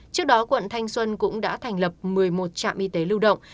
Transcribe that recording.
trước đó quận thanh xuân cũng đã thành lập một mươi một trạm y tế lưu động